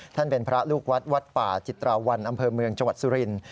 เป็นพระลูกวัดวัดป่าจิตราวันอำเภอเมืองจังหวัดสุรินทร์